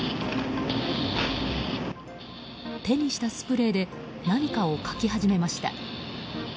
手にしたスプレーで何かを書き始めました。